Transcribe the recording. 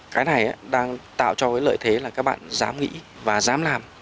cái này đang tạo cho cái lợi thế là các bạn dám nghĩ và dám làm